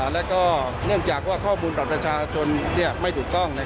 แล้วก็เนื่องจากว่าข้อมูลบัตรประชาชนไม่ถูกต้อง